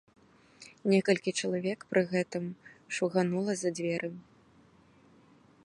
Некалькі чалавек пры гэтым шуганула за дзверы.